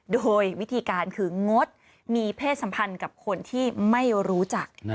โดยวิธีการคืองดมีเพศสัมพันธ์กับคนที่ไม่รู้จัก